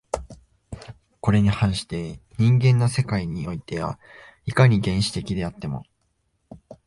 これに反して人間の世界においては、いかに原始的であっても